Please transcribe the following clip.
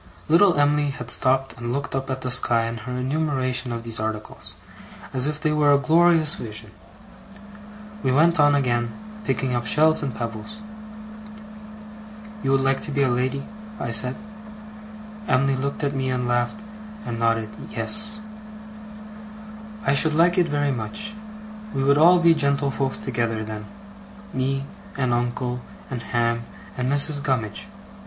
Little Em'ly had stopped and looked up at the sky in her enumeration of these articles, as if they were a glorious vision. We went on again, picking up shells and pebbles. 'You would like to be a lady?' I said. Emily looked at me, and laughed and nodded 'yes'. 'I should like it very much. We would all be gentlefolks together, then. Me, and uncle, and Ham, and Mrs. Gummidge.